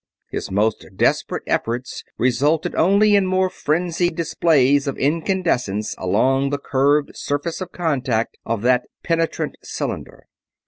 His most desperate efforts resulted only in more frenzied displays of incandescence along the curved surface of contact of that penetrant cylinder.